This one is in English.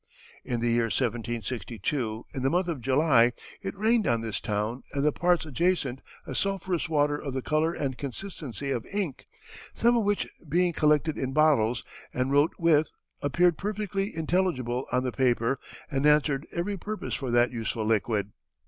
"In the year 1762, in the month of July, it rained on this town and the parts adjacent a sulphurous water of the color and consistency of ink, some of which being collected in bottles, and wrote with, appeared perfectly intelligible on the paper, and answered every purpose for that useful liquid.